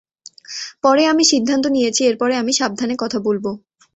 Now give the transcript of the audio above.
পরে আমি সিদ্ধান্ত নিয়েছি এরপরে আমি সাবধানে কথা বলব।